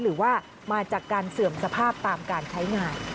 หรือว่ามาจากการเสื่อมสภาพตามการใช้งาน